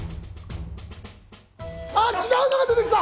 あっ違うのが出てきた。